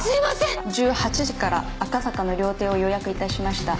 １８時から赤坂の料亭を予約致しました。